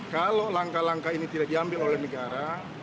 kalau langkah langkah ini tidak diambil oleh negara